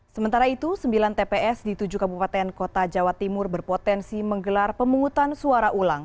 sementara itu sembilan tps di tujuh kabupaten kota jawa timur berpotensi menggelar pemungutan suara ulang